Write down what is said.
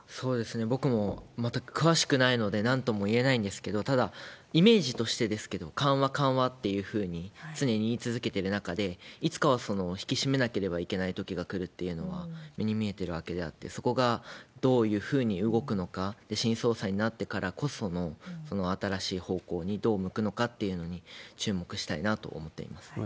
僕も全く詳しくないのでなんとも言えないんですけれども、ただ、イメージとしてですけども、緩和、緩和っていうふうに常に言い続けている中で、いつかは引き締めなければいけないときが来るっていうのは目に見えてるわけであって、そこがどういうふうに動くのか、新総裁になってからこその新しい方向にどう向くのかっていうのに注目したいなと思っています。